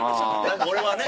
俺はね